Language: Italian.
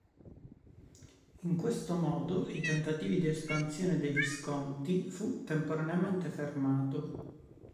In questo modo i tentativi di espansione dei Visconti fu temporaneamente fermato.